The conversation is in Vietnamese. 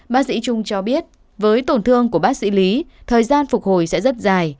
bác sĩ trung cho biết với tổn thương của bác sĩ lý thời gian phục hồi sẽ rất dài